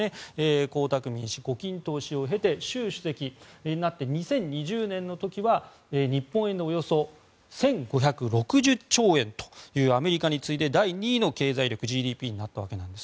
江沢民氏、胡錦涛氏を経て習主席になって２０２０年の時は日本円でおよそ１５６０兆円というアメリカに次いで第２位の経済力、ＧＤＰになったんです。